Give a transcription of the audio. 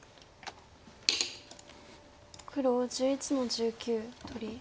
黒１１の十九取り。